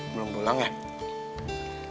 belum pulang ya